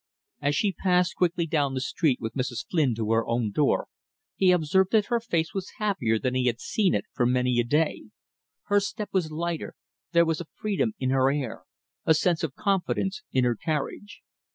As she passed quickly down the street with Mrs. Flynn to her own door, he observed that her face was happier than he had seen it for many a day. Her step was lighter, there was a freedom in her air, a sense of confidence in her carriage.